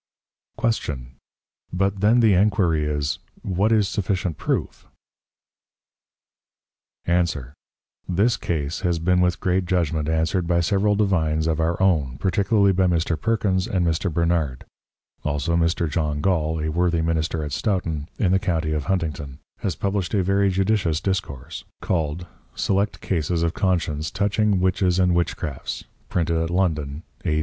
Q. But then the Enquiry is, What is sufficient Proof? A. This Case has been with great Judgment answered by several Divines of our own, particularly by Mr. Perkins, and Mr. Bernard; also Mr. John Gaul a worthy Minister at Staughton, in the County of Huntington, has published a very Judicious Discourse, called, Select Cases of Conscience touching Witches and Witchcrafts, Printed at London A.